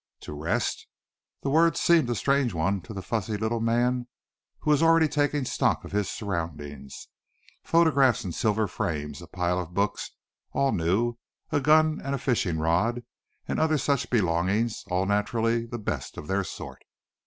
To rest! The word seemed a strange one to the fussy little man, who was already taking stock of his surroundings. Photographs in silver frames, a pile of books all new, a gun and fishing rod, and other such belongings all, naturally, the best of their sort!